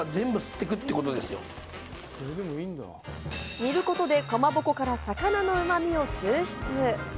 煮ることでかまぼこから魚のうま味を抽出。